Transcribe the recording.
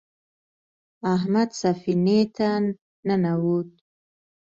احمد سفینې ته ننوت.